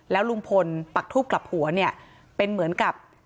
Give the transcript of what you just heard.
แล้วลุงพลปักทูบกลับหัวเนี่ยเป็นเหมือนกับ